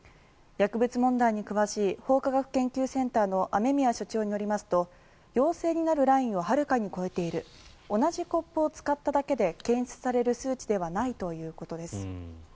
薬物問題に詳しい法科学研究センターの雨宮所長によりますと陽性になるラインをはるかに超えている同じコップを使っただけで検出される数値ではないということです。